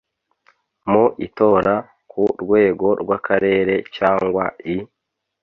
mu itora ku rwego rw’akarere cyangwa i